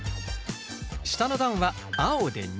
下の段は青で２。